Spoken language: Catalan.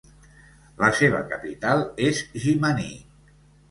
La seva capital és Jimaní.